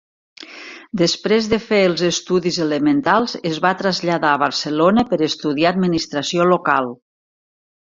Després de fer els estudis elementals, es va traslladar a Barcelona per estudiar administració local.